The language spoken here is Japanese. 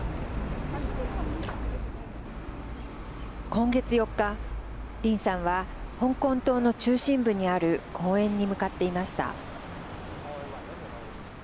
今月４日林さんは香港島の中心部にある公園に向かっていました。